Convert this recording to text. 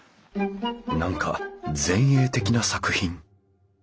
何か前衛的な作品。